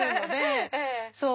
そう！